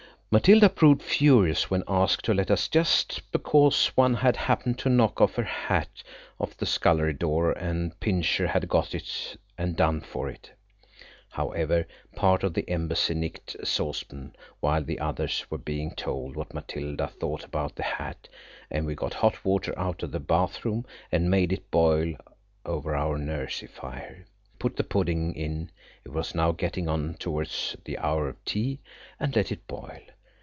Matilda proved furious when asked to let us, just because some one had happened to knock her hat off the scullery door and Pincher had got it and done for it. However, part of the embassy nicked a saucepan while the others were being told what Matilda thought about the hat, and we got hot water out of the bath room and made it boil over our nursery fire. We put the pudding in–it was now getting on towards the hour of tea–and let it boil.